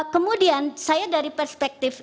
kemudian saya dari perspektif